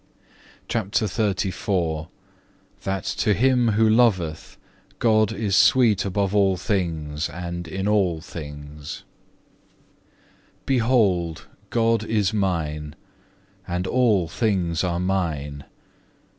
(1) John xii. 9. CHAPTER XXXIV That to him who loveth God is sweet above all things and in all things Behold, God is mine, and all things are mine!